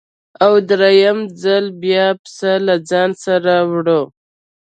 او درېیم ځل بیا پسه له ځانه سره وړو.